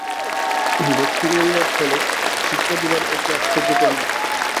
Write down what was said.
ভক্তি করিবার ছলে শিক্ষা দিবার এ কী আশ্চর্য প্রণালী।